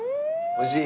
おいしい！